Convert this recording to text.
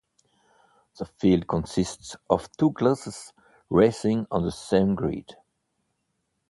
The field consists of two classes racing on the same grid.